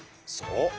そう！